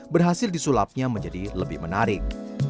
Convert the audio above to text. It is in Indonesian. berhasil disulapnya menjadi lebih menarik